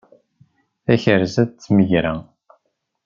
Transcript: Takerza d tmegra.